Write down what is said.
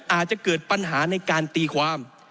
อาจจะเกิดปัญหาในการตีความ